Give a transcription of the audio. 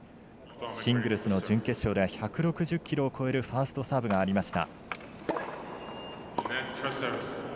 シングルスの準決勝では１６０キロを超えるファーストサーブがありました。